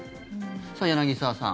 柳澤さん